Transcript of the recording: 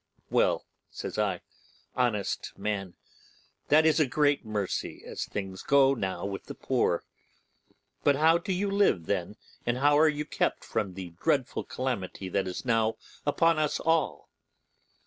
'Well,' says I, 'honest man, that is a great mercy as things go now with the poor. But how do you live, then, and how are you kept from the dreadful calamity that is now upon us all?